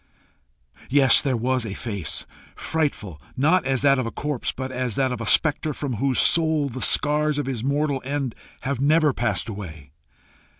Yes, there was a face! frightful, not as that of a corpse, but as that of a spectre from whose soul the scars of his mortal end have never passed away.